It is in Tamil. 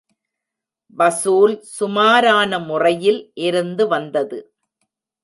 வசூல் சுமாரான முறையில் இருந்து வந்தது.